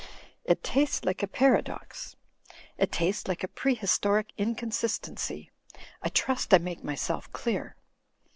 It tastes like a paradox. It tastes like a prehistoric inconsistency — I trust I make myself clear.